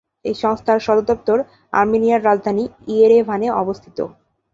এই সংস্থার সদর দপ্তর আর্মেনিয়ার রাজধানী ইয়েরেভানে অবস্থিত।